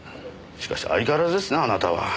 しかし相変わらずですなあなたは。